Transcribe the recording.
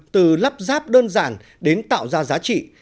từ lắp ráp đơn giản đến tạo ra giá trị